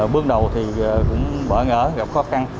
bước đầu thì cũng bỡ ngỡ gặp khó khăn